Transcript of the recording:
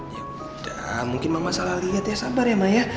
ya udah mungkin mama salah liat ya sabar ya maya